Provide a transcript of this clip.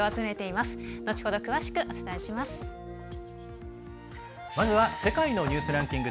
まずは「世界のニュースランキング」。